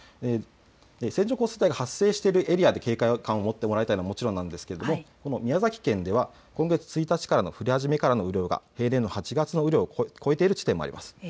線状降水帯が発生しているエリアで警戒感を持ってもらいたいのはもちろんなんですが宮崎県では今月１日の降り始めからの雨量が平年の８月の雨量を超えている地点もあります。